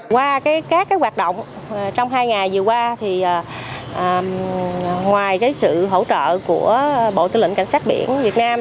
qua các hoạt động trong hai ngày vừa qua ngoài sự hỗ trợ của bộ tư lệnh cảnh sát biển việt nam